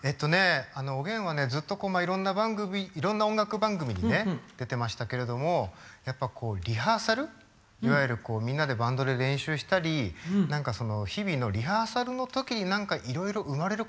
おげんはねずっといろんな音楽番組に出てましたけれどもやっぱこうリハーサルいわゆるみんなでバンドで練習したり何かその日々のリハーサルのときに何かいろいろ生まれることがあるのね。